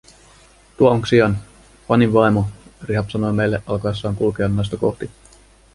"Tuo on Xiang, Fanin vaimo", Rihab sanoi meille alkaessaan kulkea naista kohti.